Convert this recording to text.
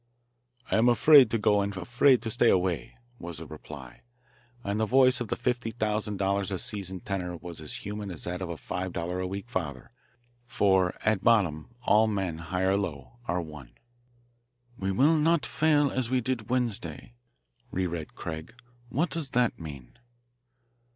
"I am afraid to go and afraid to stay away," was the reply, and the voice of the fifty thousand dollars a season tenor was as human as that of a five dollar a week father, for at bottom all men, high or low, are one. "'We will not fail as we did Wednesday,'" reread Craig. "What does that mean?"